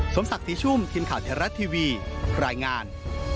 สมศักดิ์ศรีชุ่มทีมข่าวไทยรัฐทีวีรายงาน